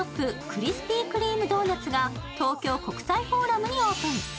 クリスピー・クリーム・ドーナツが東京国際フォーラムにオープン。